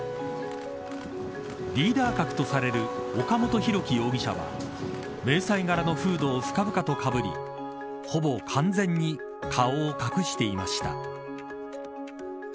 リーダー格とされる岡本大樹容疑者は迷彩柄のフードを深々とかぶりほぼ完全に顔を隠していました。